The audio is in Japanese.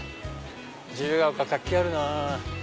自由が丘活気あるなぁ。